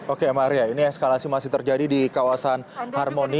oke maria ini eskalasi masih terjadi di kawasan harmoni